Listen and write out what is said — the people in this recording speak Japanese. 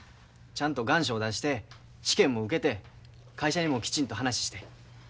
ちゃんと願書を出して試験も受けて会社にもきちんと話して。